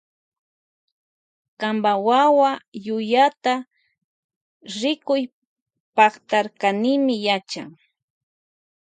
Kanpa wawa llullayta yachan rikuypaktarkanimi.